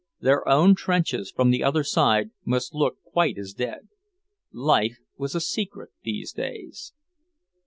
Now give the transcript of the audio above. Their own trenches, from the other side, must look quite as dead. Life was a secret, these days.